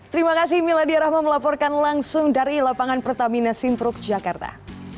terima kasih mila diyarahma melaporkan langsung dari lapangan pertamina simprok jakarta